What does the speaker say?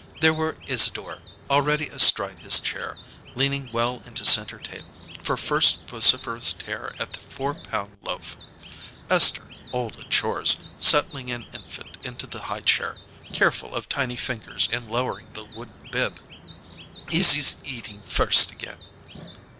There were Isadore, already astride his chair, leaning well into center table, for first vociferous tear at the four pound loaf; Esther, old at chores, settling an infant into the high chair, careful of tiny fingers in lowering the wooden bib. "Papa, Izzie's eating first again."